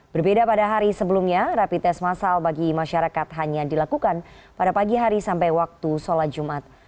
berbeda pada hari sebelumnya rapi tes masal bagi masyarakat hanya dilakukan pada pagi hari sampai waktu sholat jumat